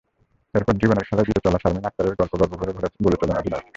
এরপর জীবনের খেলায় জিতে চলা শারমিন আক্তারের গল্প গর্বভরে বলে চলেন অধিনায়ক।